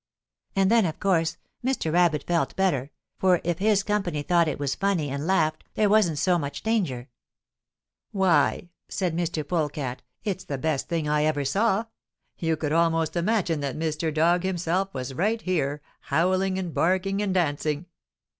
And then, of course, Mr. Rabbit felt better, for if his company thought it was funny and laughed there wasn't so much danger. "'Why,' said Mr. Polecat, 'it's the best thing I ever saw! You could almost imagine that Mr. Dog himself was right here, howling and barking and dancing.'